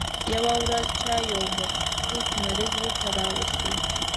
يوه ورځ چا يو مخصوص مریض ورته راوست.